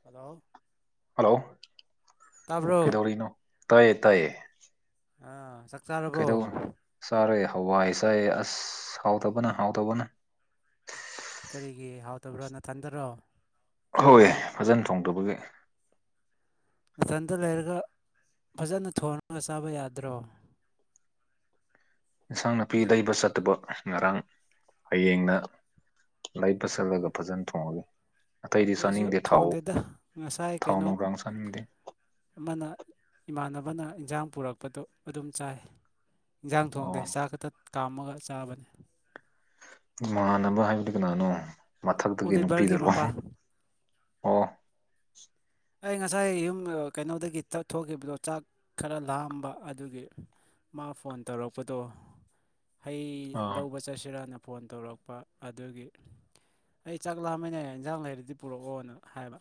hello hello ꯇꯥꯕ꯭ꯔꯣ ꯀꯩꯗꯧꯔꯤꯅꯣ ꯇꯌꯦ ꯇꯌꯦ ꯑꯥ ꯆꯥꯛ ꯆꯥꯔꯕꯣ ꯀꯩꯗꯧ ꯆꯥꯔꯦ ꯍꯋꯥꯏ ꯆꯥꯏ ꯑꯁ ꯍꯥꯎꯇꯕꯅ ꯍꯥꯎꯇꯕꯅ ꯀꯔꯤꯒꯤ ꯍꯥꯎꯇꯕ꯭ꯔꯣ ꯅꯅꯥꯊꯟꯗꯔꯣ ꯍꯣꯏ ꯐꯖꯅ ꯊꯣꯡꯗꯕꯒꯤ ꯃꯅꯥꯊꯟꯇ ꯂꯩꯔꯒ ꯐꯖꯅ ꯊꯣꯟꯉꯒ ꯆꯥꯕ ꯌꯥꯗ꯭ꯔꯣ [inaudible] ꯏꯟꯁꯥꯡ ꯅꯥꯄꯤ ꯂꯩꯕ ꯆꯠꯇꯕ ꯉꯔꯥꯡ ꯍꯌꯦꯡꯅ ꯂꯥꯏ ꯄ ꯆꯠꯂꯒ ꯐꯖꯅ ꯊꯣꯡꯉꯒꯦ ꯑꯇꯩꯗꯤ ꯑꯩꯁꯨ ꯆꯥꯅꯤꯡꯗꯦ ꯊꯥꯎ ꯊꯣꯡꯗꯦꯗ ꯉꯁꯥꯏ ꯊꯥꯎ ꯀꯩꯅꯣ ꯅꯨꯡꯗꯥꯡ ꯆꯥꯅꯤꯡꯗꯦ ꯑꯃꯅ ꯏꯃꯥꯟꯅꯕ ꯑꯃꯅ ꯏꯟꯖꯥꯡ ꯄꯨꯔꯛꯄꯗꯣ ꯑꯗꯨꯝ ꯆꯥꯏ ꯏꯟꯖꯥꯡ ꯊꯣꯡꯗꯦ ꯑꯣ ꯆꯥꯛ ꯈꯛꯇ ꯀꯥꯝꯃꯒ ꯆꯥꯕꯅꯤ ꯃꯃꯥꯟꯅꯕ ꯍꯥꯏꯕꯗꯤ ꯀꯅꯥꯅꯣ ꯃꯊꯛꯇꯒꯤ ꯑꯣꯂꯤꯚꯔꯒꯤ ꯅꯨꯄꯤꯗꯨꯔꯣ ꯃꯄꯥ ꯑꯣ ꯑꯩ ꯉꯁꯥꯏ ꯌꯨꯝ ꯀꯩꯅꯣꯗꯒꯤ ꯊꯣꯛꯈꯤꯕꯗꯣ ꯆꯥꯛ ꯈꯔ ꯂꯥꯝꯕ ꯑꯗꯨꯒꯤ ꯃꯥ ꯐꯣꯟ ꯇꯧꯔꯛꯄꯗꯣ ꯍꯩ ꯑꯥ ꯂꯧꯕ ꯆꯠꯁꯤꯔꯥꯅ ꯐꯣꯟ ꯇꯧꯔꯛꯄ ꯑꯗꯨꯒꯤ ꯑꯩ ꯆꯥꯛ ꯂꯥꯛꯑꯝꯃꯅꯦ ꯏꯟꯖꯥꯡ ꯂꯩꯔꯗꯤ ꯄꯨꯔꯛꯑꯣꯅ ꯍꯥꯏꯕ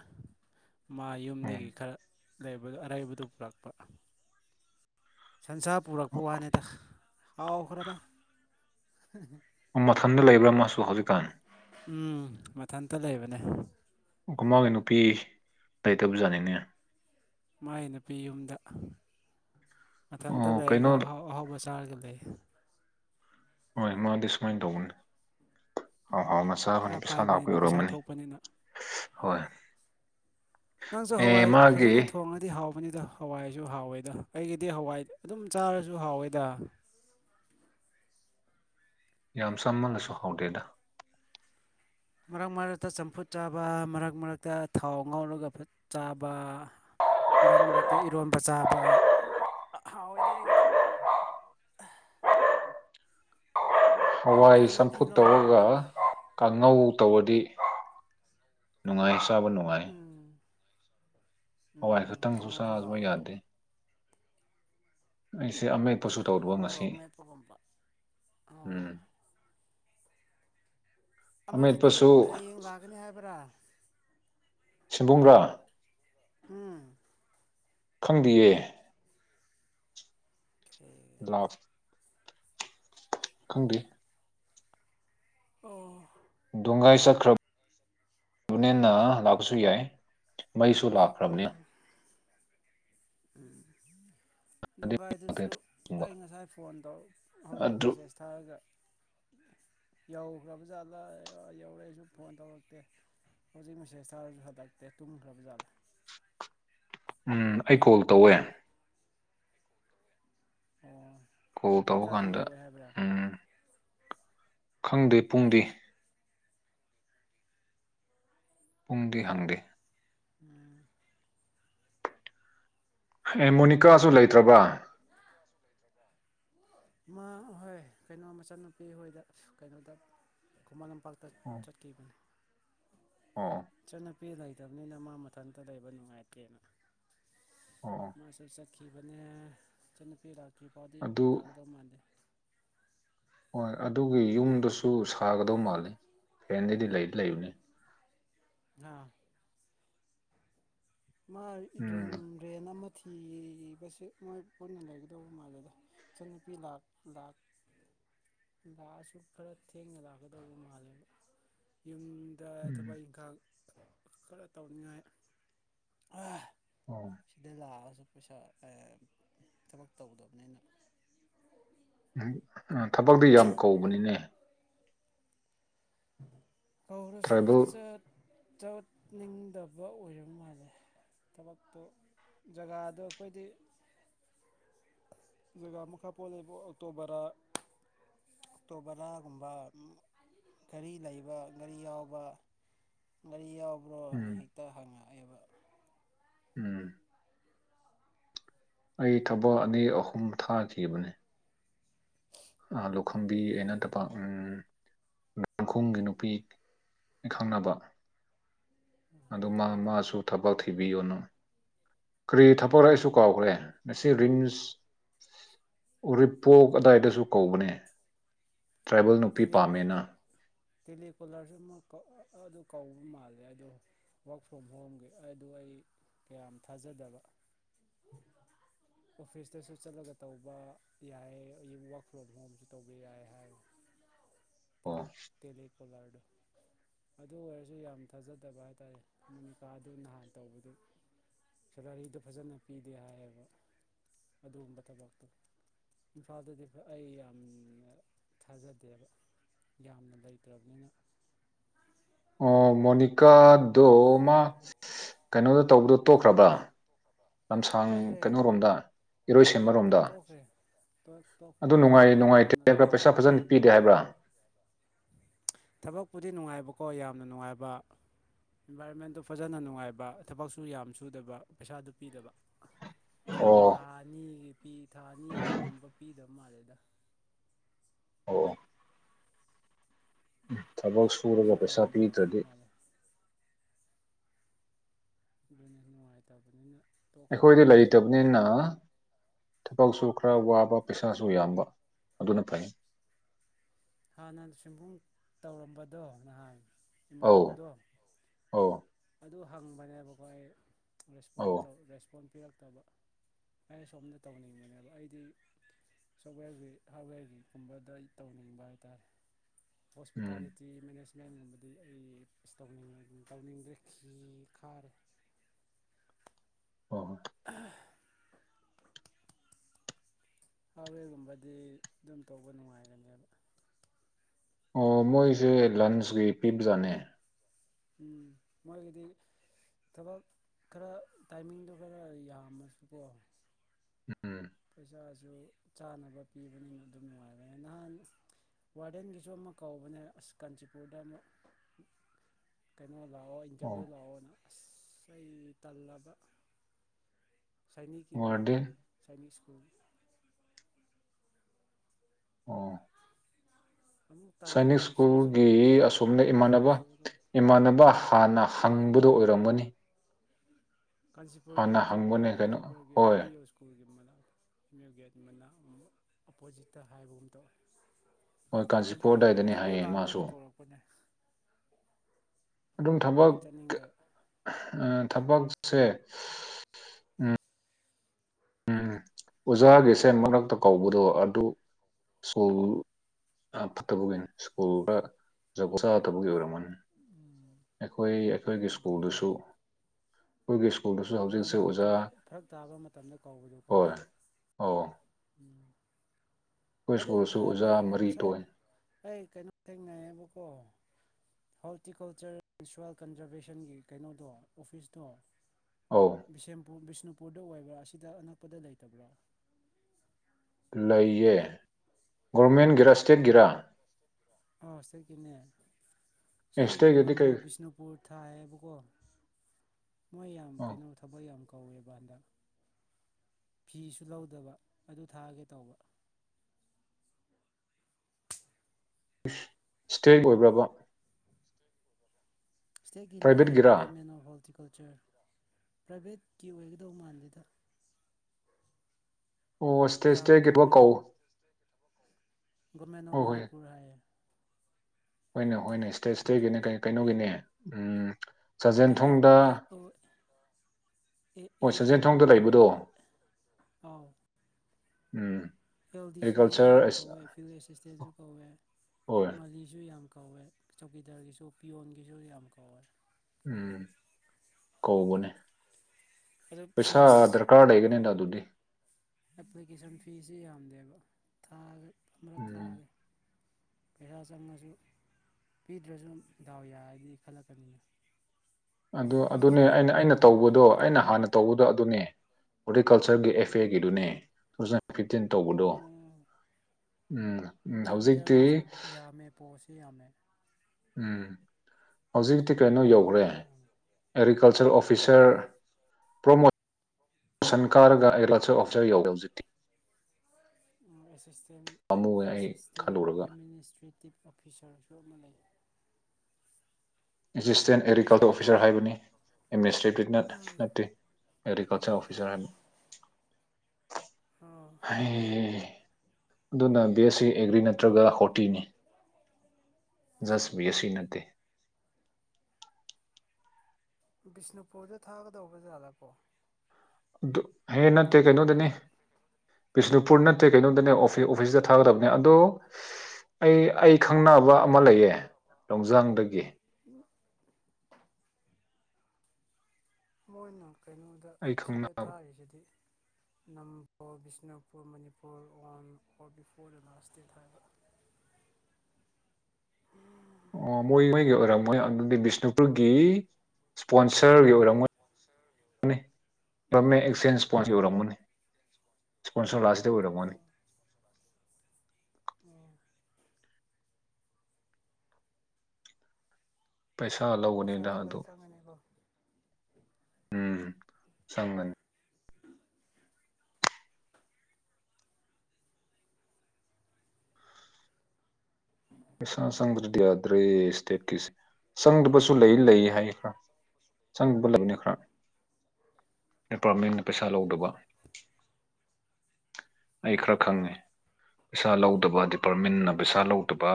ꯃꯥ ꯌꯨꯝꯗꯒꯤ ꯈꯔ ꯂꯩꯕ ꯑꯔꯩꯕꯗꯨ ꯄꯨꯔꯛꯄ ꯁꯟꯁꯥ ꯄꯨꯔꯛꯄ ꯋꯥꯅꯤꯗ ꯍꯥꯎꯈ꯭ꯔꯕ ꯃꯊꯟꯇ ꯂꯩꯕ꯭ꯔꯥ ꯃꯥꯁꯨ ꯍꯧꯖꯤꯛꯀꯥꯟ ꯎꯝ ꯃꯊꯟꯇ ꯂꯩꯕꯅꯦ ꯃꯃꯥꯒꯤ ꯅꯨꯄꯤ ꯂꯩꯇꯕ ꯖꯥꯠꯅꯤꯅꯦ ꯃꯥꯏ ꯅꯨꯄꯤ ꯌꯨꯝꯗ ꯃꯊꯟꯇ ꯑꯣ ꯀꯩꯅꯣ ꯂꯩꯔꯒꯍꯥꯎ ꯑꯍꯥꯎꯧꯕ ꯆ ꯆꯥꯒꯂꯦ ꯍꯣꯏ ꯃꯥꯗꯤ ꯁꯨꯃꯥꯏꯅ ꯇꯧꯕꯅꯦ ꯑꯥꯎ ꯍꯥꯎ ꯃꯆꯥ ꯐꯅ ꯄꯩꯁꯥ ꯂꯥꯛꯄꯤ ꯄꯥꯏꯕꯅꯤꯅ ꯄꯩꯁꯥ ꯑꯣꯏꯎꯔꯝꯃꯅꯤ ꯊꯣꯛꯄꯅꯤꯅ ꯍꯣꯏ ꯅꯪꯁꯨ ꯑꯦ ꯍꯋꯥꯏ ꯃꯥꯒꯤ ꯐꯖꯅ ꯊꯣꯡꯉꯗꯤ ꯍꯥꯎ ꯅꯤꯗ ꯍꯋꯥꯏꯁꯨ ꯍꯥꯎꯋꯦꯗ ꯑꯩꯒꯤꯗꯤ ꯍꯋꯥꯏ ꯑꯗꯨꯝ ꯆꯥꯔꯁꯨ ꯍꯥꯎꯋꯦꯗ [inaudible] ꯌꯥꯝ ꯆꯝꯃꯜꯂꯁꯨ ꯍꯥꯎꯗꯦꯗ ꯃꯔꯛ ꯃꯔꯛꯇ ꯆꯝꯐꯨꯠ ꯆꯥꯕ ꯃꯔꯛ ꯃꯔꯛꯇ ꯊꯥꯎ ꯉꯧꯎꯔꯒ ꯆꯥꯕ ꯃꯔꯛ ꯃꯔꯛꯇ ꯏꯔꯣꯟꯕ ꯆꯥꯕ [unintelligible] ꯍꯋꯥꯏ ꯏꯟꯖꯥꯡ ꯅꯥꯄꯤ ꯆꯝꯐꯨꯠ ꯂꯧꯅꯕ ꯇꯧꯔꯒ ꯇꯜꯂꯦ ꯀꯥꯡꯉꯧ ꯇꯧꯔꯗꯤ ꯅꯨꯡꯉꯥꯏ ꯆꯥꯕ ꯅꯨꯡꯉꯥꯏ ꯎꯝ ꯍꯋꯥꯏ ꯎꯝ ꯈꯛꯇꯪꯁꯨ ꯀꯥꯡꯉꯧꯁꯨ ꯆꯥꯕ ꯍꯥꯎꯋꯦ ꯌꯥꯗꯦ ꯑꯩꯁꯦ ꯑꯃꯦꯠꯄꯁꯨ ꯇꯧꯗꯕ ꯉꯁꯤ ꯃꯣꯔꯣꯛ ꯃꯦꯠꯄꯒꯨꯝꯕ ꯎꯝ ꯑꯣ ꯑꯃꯗꯨꯗꯤ ꯑꯃꯦꯠꯄꯁꯨ ꯍꯌꯦꯡ ꯂꯥꯛꯀꯅꯤ ꯍꯥꯏꯕ꯭ꯔꯥ ꯁꯤꯟꯕꯨꯡꯕ꯭ꯔꯥ ꯎꯝ ꯈꯪꯗꯤꯌꯦ ꯂꯥꯎ ꯈꯪꯗꯦ ꯑꯣ ꯗꯣꯡꯒꯥꯥꯏ ꯆꯠꯈ꯭ꯔꯕꯅꯦꯅ ꯂꯥꯛꯄꯁꯨ ꯌꯥꯏ ꯃꯩꯁꯨ ꯂꯥꯛꯈ꯭ꯔꯕꯅꯦ ꯗꯣꯡꯒꯥꯏꯗꯨꯁꯨ ꯑꯩ ꯉꯁꯥꯏ ꯐꯣꯟ ꯇꯧ ꯍꯧꯖꯤꯛ ꯑꯗꯨ ꯃꯦꯁꯦꯖ ꯊꯥꯔꯒ ꯌꯧꯈ꯭ꯔꯕꯖꯥꯠꯂꯥ ꯌꯧꯔꯦꯁꯨ ꯐꯣꯟ ꯇꯧꯔꯛꯇꯦ ꯍꯧꯖꯤꯛ ꯃꯦꯁꯦꯖ ꯊꯥꯔꯁꯨ ꯍꯟꯂꯛꯇꯦ ꯇꯨꯝꯈ꯭ꯔꯕꯖꯥꯠꯂꯦ ꯎꯝ ꯑꯩ ꯀꯣꯜ ꯇꯧꯋꯦ ꯑꯣꯝ ꯀꯣꯜ ꯇꯧꯕ ꯀꯥꯟꯗ ꯎꯝ ꯈꯪꯗꯦ ꯄꯨꯡꯗꯤ ꯄꯨꯡꯗꯤ ꯍꯪꯗꯦ ꯎꯝ ꯑꯦꯃꯣꯅꯤꯀꯥꯁꯨ ꯂꯩꯇ꯭ꯔꯕ ꯃꯥ ꯍꯣꯏ ꯀꯩꯅꯣ ꯃꯆꯥꯟꯅꯨꯄꯤ ꯍꯣꯏꯗ ꯀꯩꯅꯣꯗ ꯈꯨꯃꯟ ꯂꯝꯄꯥꯛꯇ ꯑꯣ ꯆꯠꯈꯤꯕꯅꯦ ꯑꯣ ꯆꯟꯅꯨꯄꯤ ꯂ ꯂꯩꯇꯕꯅꯤꯅ ꯃꯥ ꯃꯊꯟꯇ ꯂꯩꯕ ꯅꯨꯡꯉꯥꯏꯇꯦꯅ ꯑꯣ ꯃꯥꯁꯨ ꯆꯠ ꯀꯤꯕꯅꯦ ꯆꯟꯅꯨꯄꯤ ꯂꯥꯛꯇ꯭ꯔꯤ ꯄꯥꯎ ꯑꯗꯨ ꯂꯥꯛ ꯍꯣꯏ ꯑꯗꯨꯒꯤ ꯌꯨꯝꯗꯨꯁꯨ ꯁꯥꯒꯗꯧ ꯃꯥꯜꯂꯤ ꯐꯦꯟꯗꯗꯤ ꯂꯩ ꯂꯩꯕꯅꯤ ꯑꯥ ꯃꯥ ꯎꯝ ꯗ꯭ꯔꯨꯝ ꯔꯦꯟ ꯑꯃ ꯊꯤ ꯏꯕꯕꯁꯤ ꯃꯣꯏ ꯄꯨꯟꯅ ꯂꯩꯒꯗꯧꯕ ꯃꯥꯜꯂꯦꯗ ꯏꯆꯟꯅꯨꯄꯤ ꯂꯥꯛ ꯂꯥꯛ ꯂꯥꯛꯑꯁꯨ ꯈꯔ ꯊꯦꯡꯅ ꯂꯥꯛꯀꯗꯧꯕ ꯃꯥꯜꯂꯦ ꯌꯨꯝ ꯑ ꯗ ꯎꯝ ꯊꯕꯛ ꯏꯟꯈꯥꯡ ꯈꯔ ꯇꯧꯅꯤꯡꯉꯥꯏ ꯁꯤꯗ ꯂꯥꯛꯑꯁꯨ ꯄꯩꯁꯥ ꯊꯕꯛ ꯇꯧꯗꯕꯅꯤꯅ ꯎ ꯊꯕꯛꯇꯤ ꯌꯥꯝ ꯀꯧꯕꯅꯤꯅꯦ ꯀꯧꯔꯁꯨ ꯇ꯭ꯔꯥꯏꯕꯦꯜ ꯆꯠ ꯆꯠꯅꯤꯡꯗꯕ ꯑꯣꯏꯔꯝ ꯃꯥꯜꯂꯦ ꯊꯕꯛꯇꯨ ꯖꯒꯥꯗꯣ ꯑꯩꯈꯣꯏꯗꯤ ꯖꯒꯥ ꯃꯈꯥ ꯄꯣꯜꯂꯦꯕꯨ ꯑꯣꯛꯇꯣꯕꯔꯥ ꯑꯣꯇꯣ ꯕꯔꯒꯨꯝꯕ ꯒꯥꯔꯤ ꯂꯩꯕ ꯒꯥꯔꯤ ꯌꯥꯎꯕ ꯒꯥꯔꯤ ꯌꯥꯎꯕ꯭ꯔꯣ ꯎꯝ ꯍꯦꯛꯇ ꯍꯪꯉꯛ ꯎꯝ ꯑꯩ ꯊꯕꯛ ꯑꯅꯤ ꯑꯍꯨꯝ ꯊꯥꯈꯤꯕꯅꯤ ꯂꯨꯈꯝꯕꯤ [unintelligible] ꯀꯩꯀꯩ ꯑꯩꯅ ꯊꯕꯛꯅꯣ ꯇꯄꯥꯛ ꯎ ꯈꯣꯡꯒꯤ ꯅꯨꯄꯤ ꯏꯈꯪꯅꯕ ꯑꯗꯨ ꯀꯩ ꯃꯥ ꯊꯕꯛꯅꯣ ꯃꯥꯁꯨ ꯊꯕꯛ ꯊꯤꯕꯤꯌꯨꯅ ꯀꯔꯤ ꯊꯕꯛꯂ ꯑꯩꯁꯨ ꯀꯥꯎꯈ꯭ꯔꯦ ꯉꯁꯤ ꯔꯤꯝꯁ ꯎꯔꯤꯄꯣꯛ ꯑꯗꯥꯏꯗꯁꯨ ꯀꯧꯕꯅꯦ ꯇ꯭ꯔꯥꯏꯕꯦꯜ ꯅꯨꯄꯤ ꯄꯥꯝꯃꯦꯅ ꯇꯦꯂꯤꯀꯨꯂꯔꯁ ꯑꯃ ꯑꯗꯨ ꯀꯧꯕ ꯃꯥꯜꯂꯦ ꯑꯗꯨ ꯋꯔꯛ ꯐ꯭ꯔꯣꯝ ꯍꯣꯝꯒꯤ ꯑꯗꯨ ꯑꯩ ꯀꯌꯥꯝ ꯊꯥꯖꯗꯕ ꯑꯣꯐꯤꯁꯇꯁꯨ ꯆꯠꯂꯒ ꯇꯧꯕ ꯌꯥꯏ ꯌꯨꯝ ꯋꯔꯛ ꯐ꯭ꯔꯣꯝ ꯍꯣꯝꯁꯨ ꯇꯧꯕ ꯌꯥꯏ ꯍꯥꯏ ꯇ ꯑꯣ ꯇꯦꯂꯦꯀꯣꯂꯥꯔꯗꯣ ꯑꯗꯨ ꯑꯣꯏꯔꯁꯨ ꯌꯥꯝ ꯊꯥꯖꯗꯕ ꯍꯥꯏꯇꯥꯔꯦ ꯃꯃꯤꯀꯥꯗꯨ ꯅꯍꯥꯟ ꯇꯧꯕꯗꯨ ꯁꯂꯔꯤꯗꯣ ꯐꯖꯅ ꯄꯤꯗꯦ ꯍꯥꯏꯌꯦꯕ ꯑꯗꯨꯒꯨꯝꯕ ꯊꯕꯛꯇꯣ ꯏꯝꯐꯥꯜꯗꯗꯤ ꯑꯩ ꯌꯥꯝ ꯊꯥꯖ ꯐꯠꯇꯦꯕ ꯌꯥꯝꯅ ꯂꯩꯇ꯭ꯔꯕꯅꯤꯅ ꯑꯣ ꯃꯣꯅꯤꯀꯥꯗꯣ ꯃ ꯀꯩꯅꯣꯗ ꯇꯧꯕꯗꯣ ꯇꯣꯛꯈ꯭ꯔꯕ꯭ꯔꯥ ꯂꯝꯁꯥꯡ ꯇꯣꯛꯈ꯭ꯔꯦ ꯀꯩꯅꯣꯔꯣꯝꯗ ꯏꯔꯣꯏꯁꯦꯝꯕꯔꯣꯝꯗ ꯇꯣꯛꯈ꯭ꯔꯦ ꯇꯣꯛꯈ꯭ꯦ ꯑꯗꯨ ꯅꯨꯡꯉꯥꯏ ꯉꯁꯥꯏ ꯅꯨꯡꯉꯥꯏꯇꯦ ꯅꯍꯥꯟꯅ ꯇꯧ ꯍꯥꯏꯕ꯭ꯔꯥ ꯄꯩꯁꯥ ꯐꯖꯅ ꯄꯤꯗꯦ ꯍꯥꯏꯕ꯭ꯔꯥ ꯊꯕꯛꯄꯨꯗꯤ ꯅꯨꯡꯉꯥꯏꯕꯀꯣ ꯌꯥꯝꯅ ꯅꯨꯡꯉꯥꯏꯕ ꯏꯟꯚꯥꯏꯔꯣꯟꯃꯦꯟꯗꯨ ꯐꯖꯅ ꯅꯨꯡꯉꯥꯏꯕ ꯊꯕꯛꯁꯨ ꯌꯥꯝ ꯁꯨꯗꯕ ꯄꯩꯁꯥꯗꯨ ꯄꯤꯗꯕ ꯑꯣ ꯊꯥ ꯑꯅꯤꯒꯤ ꯄꯤ ꯊꯥ ꯑꯅꯤꯒꯤꯒꯨꯝꯕ ꯄꯤꯗꯕ ꯃꯥꯜꯂꯦꯗ ꯑꯣ ꯊꯕꯛ ꯁꯨꯔꯒ ꯄꯩꯁꯥ ꯌꯥꯝ ꯅꯨꯡꯉꯥꯏꯇꯕ ꯄꯤꯗ꯭ꯔꯗꯤ ꯃꯥꯜꯂꯦ ꯑꯗꯨꯅꯦ ꯅꯨꯡꯉꯥꯏꯇꯕꯅꯤꯅ ꯇꯣꯛꯈ꯭ꯔꯦ ꯑꯩꯈꯣꯏꯗꯤ ꯂꯩꯇꯕꯅꯤꯅ ꯊꯕꯛꯁꯨ ꯈꯔ ꯋꯥꯕ ꯄꯩꯁꯥꯁꯨ ꯌꯥꯝꯕ ꯑꯗꯨꯅ ꯐꯩ ꯍꯥꯟꯅ ꯁꯨꯝꯕꯨꯡ ꯇꯧꯔꯝꯕꯗꯣ ꯅꯍꯥꯟ ꯑꯧ ꯏꯃꯣꯏꯅꯨꯗꯣ ꯑꯧ ꯑꯗꯨ ꯍꯪꯕꯅꯦꯕꯀꯣ ꯑꯩ ꯔꯦꯁꯄꯣꯟ ꯑꯧ ꯔꯦꯁꯄꯣꯟ ꯄꯤꯔꯛꯇꯕ ꯑꯩꯅ ꯁꯣꯝꯗ ꯇꯧꯅꯤꯡꯕꯅꯦꯕ ꯑꯩꯗꯤ ꯁꯣꯞꯋꯦꯔꯒꯤ ꯍꯥꯔꯠꯋꯦꯔꯒꯤꯒꯨꯝꯕꯗ ꯑꯩ ꯇꯧꯅꯤꯡꯕ ꯍꯥꯏ ꯇꯥꯔ ꯎꯝ ꯍꯣꯁꯄꯤꯇꯥꯂꯤꯇꯤ ꯃꯦꯅꯦꯖ ꯂꯣꯏꯅꯤꯡꯕꯗꯤ ꯑꯩ ꯇꯩꯅꯤꯡ ꯇꯧꯅꯤꯡꯗ꯭ꯔꯦ ꯈꯤ ꯈꯥꯔꯦ ꯑꯣ ꯑꯍ ꯍꯥꯔꯠꯋꯦꯒꯨꯝꯕꯗꯤ ꯑꯗꯨꯝ ꯇꯧꯕ ꯅꯨꯡꯉꯥꯏꯒꯅꯦꯕ ꯑꯣ ꯃꯣꯏꯁꯦ ꯂꯟꯁꯀꯤ ꯄꯤꯕꯖꯥꯠꯅꯦ ꯎꯝ ꯃꯣꯏꯒꯤꯗꯤ ꯊꯕꯛ ꯈꯔ ꯇꯥꯏꯃꯤꯡꯗꯣ ꯈꯔ ꯌꯥꯝꯃꯁꯨꯀꯣ ꯎꯝ ꯆꯥꯁꯨ ꯆꯥꯅꯕ ꯄꯤꯕꯅꯤꯅ ꯑꯗꯨꯝ ꯅꯨꯡꯉꯥꯏꯦ ꯅꯍꯥꯟ ꯋꯥꯔꯗꯦꯟꯒꯤꯁꯨ ꯑꯃ ꯀꯧꯕꯅꯦ ꯑꯁ ꯀꯥꯟꯆꯤꯄꯨꯔꯗ ꯑꯃ ꯀꯩꯅꯣ ꯂꯥꯛꯑꯣ ꯑꯣ ꯏꯟꯇꯔꯚꯤꯌꯨ ꯂꯥꯛꯑꯣꯅ ꯑꯁ ꯑꯩꯖꯨ ꯇꯜꯂꯕ ꯁꯥꯏꯅꯤꯛꯒꯤ ꯑꯣꯏꯕ ꯋꯥꯔꯗꯦꯟ ꯃꯥꯜꯂꯦ ꯁꯥꯏꯅꯤꯛ ꯁ꯭ꯀꯨꯜ ꯒꯤ ꯑꯣ ꯑꯃꯨꯛ ꯁꯥꯏꯅꯤꯛ ꯇꯟꯈ꯭ꯔꯦ ꯁ꯭ꯀꯨꯜꯒꯤ ꯑꯁꯨꯝꯕ ꯑꯁꯨꯝꯅ ꯏꯃꯥꯟꯅꯕ ꯇꯧꯒꯗꯕ ꯏꯃꯥꯟꯅꯕ ꯍꯥꯟꯅ ꯍꯪꯕꯗꯣ ꯑꯣꯏꯔꯝꯒꯅꯤ ꯀꯥꯟꯆꯤꯄꯨꯔꯒꯤ ꯍꯥꯟꯅ ꯑꯄꯨ ꯍꯪꯕꯅꯦ ꯀꯩꯅꯣ ꯀꯥꯟꯆꯤꯄꯨꯔꯒꯤ ꯍꯣꯏ ꯑꯦꯝ ꯌꯨ ꯁ꯭ꯀꯨꯜꯒꯤ ꯃꯅꯥ ꯑꯦꯝ ꯌꯨ ꯒꯦꯠ ꯃꯅꯥ ꯑꯣꯄꯣꯖꯤꯠꯇ ꯍꯥꯏꯕꯒꯨꯝ ꯇꯧꯋꯦ ꯍꯣꯏ ꯀꯥꯟꯆꯤꯄꯨꯔ ꯗꯥꯏꯗꯅꯤ ꯏꯟꯇꯔꯚꯤꯌꯨ ꯍꯥꯏꯌꯦ ꯂꯥꯛꯑꯣꯅ ꯃꯥꯁꯨ ꯀꯧꯔꯛꯄꯅꯦ ꯑꯗꯨꯝ ꯑꯩ ꯊꯕꯛ ꯆꯠꯅꯤꯡꯗꯕ ꯑ ꯊꯕꯛꯁꯦ ꯎꯝ ꯎꯝ ꯑꯣꯖꯥꯒꯤ ꯁꯦꯟ ꯃꯔꯛꯇ ꯀꯧꯕꯗꯣ ꯑꯗꯨ ꯁ꯭ꯀꯨꯟ ꯐꯠꯇꯕꯒꯤꯅꯤ ꯁ꯭ꯀꯨꯜꯒ ꯑꯣꯖꯥ ꯂꯩꯇꯕꯒꯤ ꯑꯣꯏꯔꯝꯃꯅꯤ ꯎꯝ ꯑꯩꯈꯣꯏ ꯑꯩꯈꯣꯏꯒꯤ ꯑꯗꯨꯅꯦ ꯁ꯭ꯀꯨꯜꯗꯨꯁꯨ ꯑꯩꯈꯣꯏꯒꯤ ꯁ꯭ꯀꯨꯜꯗꯁꯨ ꯃꯔꯛ ꯍꯧꯖꯤꯛꯁꯦ ꯑꯣꯖꯥ ꯃꯔꯛꯇ ꯐꯔꯛ ꯇꯥꯕ ꯃꯇꯝꯗ ꯀꯧꯕꯗꯨꯀꯣ ꯍꯣꯏ ꯑꯧ ꯎꯝ ꯑꯩꯈꯣꯏ ꯑꯗꯨ ꯁ꯭ꯀꯨꯜꯁꯨ ꯍꯥꯏꯕꯨ ꯑꯣꯖꯥ ꯍꯥꯏꯔꯒ ꯃꯔꯤ ꯉꯁꯥꯏ ꯊꯣꯛꯑꯦ ꯑꯩ ꯀꯩꯅꯣ ꯊꯦꯡꯅꯩꯌꯦꯕꯀꯣ ꯍꯣꯔꯇꯤꯀꯜꯆꯔ ꯁꯣꯏꯋꯜ ꯀꯟꯖꯥꯔꯕꯦꯁꯟꯒꯤ ꯀꯩꯅꯣꯗꯣ ꯑꯣꯐꯤꯁꯇꯣ ꯑꯧ ꯕꯤꯁꯦꯝꯄꯨꯔ ꯕꯤꯁꯅꯨꯄꯨꯔꯗ ꯑꯣꯏꯕ꯭ꯔꯥ ꯑꯁꯤꯗ ꯑꯅꯛꯄꯗ ꯂꯩꯇꯕ꯭ꯔꯥ ꯂꯩꯌꯦ ꯒꯣꯔꯃꯦꯟꯒꯤꯔ ꯏꯁ꯭ꯇꯦꯠꯀꯤꯔ ꯑꯥ ꯁꯇꯦꯠ ꯀꯤꯅꯦ ꯁꯤ ꯏꯁꯇꯦꯠꯀꯤꯗꯤ ꯀꯩ ꯅꯝꯕꯣꯜ ꯕꯤꯁꯅꯨꯄꯨꯔ ꯊꯥꯏꯌꯦꯕꯀꯣ ꯃꯣꯏ ꯌꯥꯝ ꯑꯣ ꯀꯩꯅꯣ ꯊꯕꯛ ꯌꯥꯝ ꯀꯧꯋꯦꯕ ꯍꯟꯗꯛ ꯐꯤꯁꯨ ꯂꯧꯗꯕ ꯑꯗꯨ ꯊꯥꯒꯦ ꯇꯧꯕ ꯏꯁꯇꯦꯛ ꯑꯣꯏꯕ꯭ꯔꯕꯣ ꯏꯁꯇꯒꯤꯅꯤ ꯍꯥꯏ ꯄ꯭ꯔꯥꯏꯚꯦꯠꯀꯤꯔꯥ ꯗꯤꯄꯥꯔꯠꯃꯦꯟ ꯑꯣꯐ ꯍꯣꯇꯤ ꯀꯜꯆꯔ ꯄ꯭ꯔꯥꯏꯚꯦꯠꯀꯤ ꯑꯣꯏꯒꯗꯧ ꯃꯥꯟꯗꯦꯗ ꯑꯣ ꯏꯁꯇꯦꯠ ꯌꯥꯝ ꯏꯁꯇꯦꯠꯀꯤꯗꯣ ꯀꯧꯋꯦ ꯀꯧ ꯊꯕꯛ ꯒꯣꯔꯃꯦꯟ ꯑꯣꯐ ꯍꯣꯏ ꯍꯣꯏ ꯃꯅꯤꯄꯨꯔ ꯍꯥꯏꯌꯦ ꯍꯣꯏꯅꯦ ꯍꯣꯏꯅꯦ ꯏꯁꯇꯦꯠ ꯏꯁꯇꯦꯠꯒꯤꯅꯦ ꯀꯩꯅꯣꯒꯤꯅꯦ ꯎꯝ ꯑꯦ ꯑꯦ ꯆꯥꯖꯦꯟꯊꯣꯡꯗ ꯑꯦ ꯑꯣ ꯑꯦ ꯍꯣꯏ ꯑꯦ ꯑꯣ ꯆꯥꯖꯦꯟꯊꯣꯡꯗ ꯂꯩꯕꯗꯣ ꯑꯥꯎ ꯎꯝ ꯑꯦꯜ ꯗꯤ ꯁꯤꯁꯨ ꯌꯥꯝ ꯑꯦꯒ꯭ꯔꯤꯀꯜꯆꯔ ꯑꯁ ꯀꯧꯋꯦ ꯐꯤꯜ ꯑꯦꯁꯤꯁꯇꯦꯟꯁꯨ ꯀꯧꯋꯦ ꯍꯣꯏ ꯃꯥꯂꯤꯁꯨ ꯌꯥꯝ ꯀꯧ ꯀꯧꯋꯦ ꯆꯧꯀꯤꯗꯔꯒꯤꯁꯨ ꯄꯤꯌꯣꯟꯒꯤꯁꯨ ꯌꯥꯝ ꯀꯧꯋꯦ ꯎꯝ ꯀꯧꯕꯅꯦ ꯑꯗꯨ ꯄꯩꯁꯥ ꯐꯤꯁ ꯗꯔꯀꯥꯔ ꯂꯩꯒꯅꯤꯗ ꯑꯗꯨꯗꯤ ꯑꯦꯄꯂꯤꯀꯦꯁꯟ ꯐꯤꯁ ꯁꯦ ꯌꯥꯝ ꯕ ꯊꯥ꯭ꯔ ꯎꯝ ꯊꯥꯒꯦ ꯄꯩꯁꯥ ꯆꯪꯉꯁꯨ ꯄꯤꯗ꯭ꯔꯁꯨ ꯗꯥꯎ ꯌꯥꯔꯗꯤ ꯈꯜꯂꯛꯀꯅꯤꯅ ꯑꯗꯨ ꯑꯗꯨꯅꯦ ꯑꯩꯅ ꯑꯩꯅ ꯇꯧꯕꯗꯣ ꯑꯩꯅ ꯍꯥꯟꯅ ꯇꯧꯕꯗꯣ ꯑꯗꯨꯅꯦ ꯍꯣꯔꯇꯤꯀꯜꯆꯔꯒꯤ ꯑꯣ ꯑꯦꯐ ꯑꯦꯒꯤꯗꯨꯅꯦ ꯇꯨ ꯊꯥꯎꯖꯟ ꯐꯤꯐꯇꯤꯟ ꯇꯧꯕꯗꯣ ꯎꯝ ꯎꯝ ꯎꯝ ꯍꯧꯖꯤꯛꯇꯤ ꯆꯧꯀꯤꯗꯔꯒꯤꯁꯦ ꯌꯥꯝꯃꯦ ꯄꯣꯠꯁꯦ ꯌꯥꯝꯃꯦ ꯎꯝ ꯍꯧꯖꯤꯛꯇꯤ ꯀꯩꯅꯣ ꯌꯧꯈ꯭ꯔꯦ ꯄꯤꯌꯣꯟꯒꯤꯁꯨ ꯌꯥꯝꯃꯦ ꯑꯦꯒ꯭ꯔꯤꯀꯜꯆꯔ ꯑꯣꯐꯤꯁꯔ ꯄ꯭ꯔꯃꯣꯠ ꯁꯟ ꯀꯥꯔꯒ ꯑꯦꯔꯆꯔ ꯑꯣꯐꯤꯁꯔ ꯌꯧꯋꯦ ꯍꯧꯖꯤꯛꯇꯤ ꯑꯦꯁꯁꯇꯦꯟ ꯄꯥꯝꯃꯨꯋꯦ ꯑꯩ ꯑꯦꯁꯁꯤꯁꯇꯦꯟ ꯈꯜꯂꯨꯔꯒ ꯑꯦꯗꯃꯤꯅꯤꯁꯇ꯭ꯔꯦꯇꯚ ꯇꯤꯞ ꯑꯣꯐꯤꯁꯥꯔꯁꯨ ꯑꯃ ꯂꯩ ꯑꯦꯖꯤꯁꯇꯦꯟ ꯄꯣꯠꯁꯤ ꯑꯦꯒ꯭ꯔꯤꯀꯜꯆꯔ ꯌꯥꯝ ꯑꯣꯐꯤꯁꯥꯔ ꯀꯧꯋꯦ ꯍꯥꯏꯕꯅꯤ ꯑꯦꯗꯃꯤꯅꯤꯁꯇ꯭ꯔꯦꯇꯤꯞ ꯎꯝ ꯅꯠꯇꯦ ꯁꯦ ꯑꯣꯐꯤꯁꯔ ꯍꯥꯏꯅꯤ ꯑꯣ ꯍꯌꯦ ꯑꯗꯨꯅ ꯕꯦꯁꯁꯤ ꯑꯦꯒ꯭ꯔꯤ ꯅꯠꯇ꯭ꯔꯒ ꯍꯣꯔꯇꯤꯅꯤ ꯖꯁ ꯑꯣ ꯕꯤ ꯑꯦ ꯁꯤ ꯅꯠꯇꯦ ꯕꯤꯁꯅꯨꯄꯨꯔꯗ ꯊꯥꯒꯗꯧꯕꯖꯥꯠꯂꯥꯀꯣ ꯍꯦ ꯅꯠꯇ ꯀꯩꯅꯣꯗꯅꯤ ꯄꯤꯁꯂꯨ ꯎꯄꯨꯔ ꯅꯠꯇꯦ ꯀꯩꯅꯣꯝꯗꯅꯦ ꯑꯣꯐꯤꯁꯇ ꯊꯥꯒꯗꯕꯅꯦ ꯑꯗꯣ ꯑꯩ ꯑꯩ ꯈꯪꯅꯕ ꯑꯃ ꯂꯩꯌꯦ ꯔꯣꯡꯖꯥꯡꯗꯒꯤ ꯃꯣꯏꯅ ꯀꯩꯅꯣꯗ ꯑꯩ ꯑꯁꯤꯗ ꯈꯪꯅꯕ ꯊꯥꯔꯤꯁꯤꯗꯤ ꯅꯝꯕꯣ Bishnupur Manipur one forty four ꯂꯥꯁꯈꯦꯠꯇ ꯍꯥꯏꯕ [inaudible] ꯑꯣ ꯃꯣꯏ ꯃꯣꯏꯒꯤ ꯑꯣꯏꯔꯝꯃꯣꯏ ꯑꯗꯨꯗꯤ ꯕꯤꯁꯅꯨꯄꯨꯔꯒꯤ ꯁꯄꯣꯟꯁꯔꯒꯤ ꯑꯣꯏꯔꯝꯃꯣꯏ ꯑꯦꯁꯆꯦꯟꯖ ꯄꯣ ꯌꯨꯔꯝꯒꯅꯦ ꯁꯄꯣꯥꯁ ꯑꯗꯨ ꯑꯣꯏꯔꯝꯒꯅꯤ ꯑꯣ ꯑꯣ ꯄꯩꯁꯥ ꯂꯧꯕꯅꯦꯗ ꯄꯩꯁꯥꯗꯤ ꯑꯗꯨ ꯈꯔ ꯆꯪꯉꯅꯤꯀꯣ ꯎꯝ ꯁꯪꯒꯅꯤ ꯄꯩꯁꯥ ꯆꯪꯗ꯭ꯔꯗꯤ ꯌꯥꯗ꯭ꯔꯦ ꯏꯁꯇꯦꯠꯀꯤꯁꯦ ꯆꯪꯗꯕꯁꯨ ꯂꯩ ꯂꯩ ꯍꯥꯏꯌꯦ ꯈ꯭ꯔꯥ ꯆꯪꯕ ꯂꯩꯕꯅꯤ ꯈꯔ ꯗꯤꯄꯥꯔꯠꯃꯦꯟꯅ ꯄꯩꯁꯥ ꯂꯧꯗꯕ [inaudible] ꯑꯩ ꯈꯔ ꯈꯪꯉꯦ ꯄꯩꯁꯥ ꯂꯧꯗꯕ ꯗꯤꯄꯥꯔꯠꯃꯦꯟꯅ ꯄꯩꯁꯥ ꯂꯧ ꯗꯕ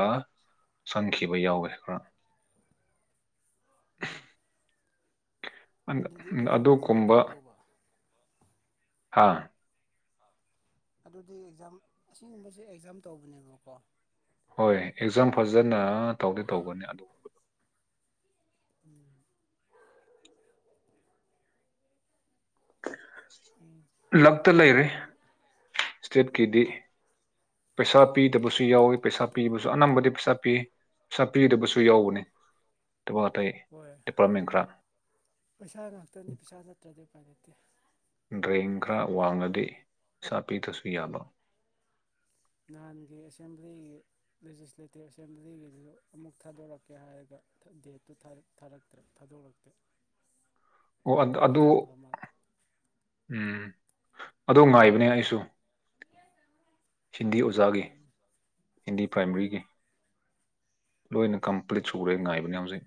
ꯆꯪꯈꯤꯕ ꯌꯥꯎꯋꯦ ꯈꯔ ꯎꯝ ꯑꯗꯨꯗꯤ ꯑꯦꯛꯖꯥꯝ ꯐꯖꯅ ꯑꯗꯨꯒꯨꯝꯕ ꯇꯧꯗꯧꯕ ꯍꯥꯥ ꯑꯗꯨꯗꯤ ꯑꯦꯛꯖꯥꯝ ꯑꯁꯤꯒꯨꯝꯕꯁꯤ ꯑꯦꯛꯖꯥꯝ ꯇꯧꯕꯅꯦꯕꯀꯣ ꯍꯣꯏ ꯑꯦꯛꯖꯥꯝ ꯐꯖꯅ ꯇꯧꯗꯤ ꯇꯧꯕꯅꯤ ꯑꯗꯨꯒꯨꯝꯕꯗꯣ ꯎꯝ ꯎꯝ ꯂꯛꯇ ꯑꯩꯁꯨ ꯂꯩꯔꯦ ꯃꯣꯏꯅ ꯍꯥꯟ ꯏꯁꯇꯦꯠꯀꯤꯗꯤ ꯄꯩꯁꯥ ꯎꯝ ꯄꯤꯗꯕꯁꯨ ꯌꯥꯎꯋꯤ ꯄꯩꯁꯥ ꯄꯤꯕꯁꯨ ꯑꯅꯝꯕꯗꯤ ꯄꯩꯁꯥ ꯄꯤ ꯄꯩꯁꯥ ꯄꯤꯗꯕꯁꯨ ꯎꯝ ꯌꯥꯎꯕꯅꯤ ꯑꯗꯨꯕ ꯑꯇꯥꯏ ꯍꯣꯏ ꯗꯤꯄꯥꯔꯠꯃꯦꯟ ꯈꯔ ꯄꯩꯁꯥ ꯉꯥꯛꯇꯅꯤ ꯄꯩꯁꯥ ꯅꯠꯇ꯭ꯔꯗꯤ ꯎꯄꯥꯏ ꯂꯩꯇꯦ ꯗ꯭ꯔꯦꯡ ꯈꯔ ꯋꯥꯡꯉꯗꯤ ꯁꯥꯄꯤꯗꯁꯨ ꯌꯥꯕ ꯅꯍꯥꯟꯒꯤ ꯑꯦꯁꯦꯝꯕ꯭ꯂꯤꯒꯤ ꯂꯦꯖꯤꯁꯂꯦꯇꯤꯞ ꯑꯦꯁꯦꯝꯕ꯭ꯂꯤꯒꯤꯗꯨ ꯑꯃꯨꯛ ꯊꯥꯗꯣꯔꯛꯀꯦ ꯍꯥꯏꯔꯒ ꯗꯦꯠꯇꯨ ꯊꯥꯔꯛꯇ꯭ꯔꯦ ꯊꯥꯗꯣꯔꯛꯇ꯭ꯔꯦ ꯑꯣ ꯑꯗꯨ ꯑꯗꯨ ꯎꯝ ꯑꯗꯣ ꯉꯥꯏꯕꯅꯦ ꯑꯩꯁꯨ ꯍꯤꯟꯗꯤ ꯑꯣꯖꯥꯒꯤ ꯎꯝ ꯍꯤꯟꯗꯤ ꯑꯣ ꯄ꯭ꯔꯥꯏꯃꯔꯤꯒꯤ ꯂꯣꯏꯅ ꯀꯝꯄ꯭ꯂꯤꯠ ꯁꯨꯔꯦ ꯉꯥꯏꯕꯅꯦ ꯍꯧꯖꯤꯛ